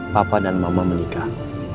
papa dan mama menikah